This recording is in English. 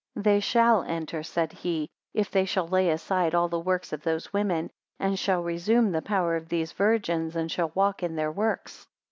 133 They shall enter, said he, if they shall lay aside all the works of those women, and shall resume the power of these virgins, and shall walk in their works.